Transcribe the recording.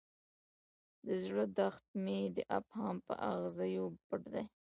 د زړه دښت مې د ابهام په اغزیو پټ دی.